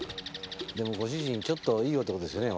でもご主人ちょっといい男ですよね。